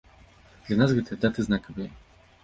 Для нас гэтыя даты знакавыя.